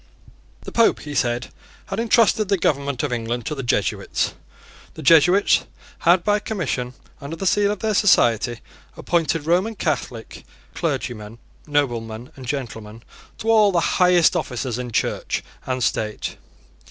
The Pope, he said, had entrusted the government of England to the Jesuits. The Jesuits had, by commissions under the seal of their society, appointed Roman Catholic clergymen, noblemen, and gentlemen, to all the highest offices in Church and State.